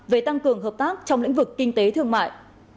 về tăng cường hợp tác trong lĩnh vực kinh tế thương mại